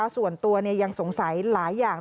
ส่วนตัวยังสงสัยหลายอย่าง